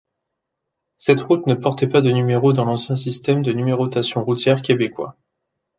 Cette route ne portait pas de numéro dans l'ancien système de numérotation routière québécois.